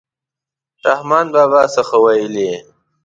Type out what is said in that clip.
رحمان بابا څه ښه ویلي.